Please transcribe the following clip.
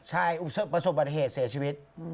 ใช่ประสบประเทศเสียชีวิต